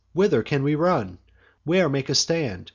whither can we run? Where make a stand?